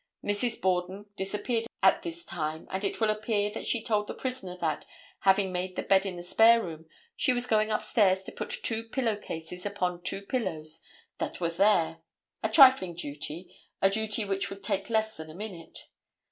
Mrs. Borden disappeared at this time, and it will appear that she told the prisoner that, having made the bed in the spare room, she was going upstairs to put two pillow cases upon two pillows that were there—a trifling duty, a duty which would take less than a minute.